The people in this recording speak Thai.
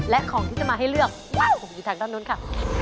และของที่จะมาให้เลือกบ้านผมอยู่ทางด้านนู้นค่ะ